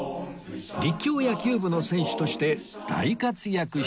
立教野球部の選手として大活躍したそうです